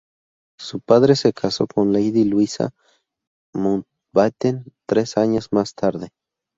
Su padre se casó con lady Luisa Mountbatten tres años más tarde.